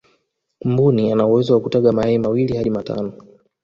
mbuni anawezo kutaga mayai mawili hadi matano